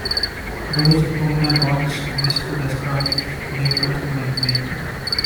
Those whom the gods wish to destroy, they first make mad.